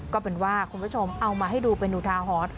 ก็เป็นว่าคุณผู้ชมเอามาให้ดูเป็นอุทาหรณ์